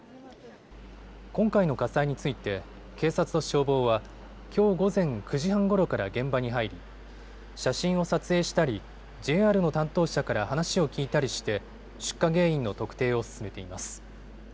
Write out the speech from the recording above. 今回の火災について警察と消防はきょう午前９時半ごろから現場に入り写真を撮影したりＪＲの担当者から話を聞いたりして出火原因の特定を進めています。